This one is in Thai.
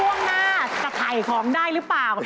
ช่วงหน้าจะถ่ายของได้หรือเปล่า